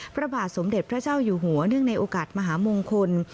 พระบาทสมเด็จพระเจ้าอยู่หัวเนื่องในโอกาสมหามงคล